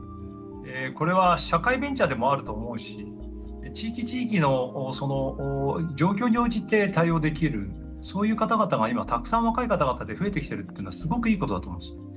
これは社会ベンチャーでもあると思うし地域地域のその状況に応じて対応できるそういう方々が今たくさん若い方々で増えてきてるっていうのはすごくいいことだと思うんです。